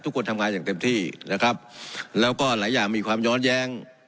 ทุกคนทำงานอย่างเต็มที่นะครับแล้วก็หลายอย่างมีความย้อนแย้ง